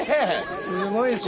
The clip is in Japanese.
すごいでしょ。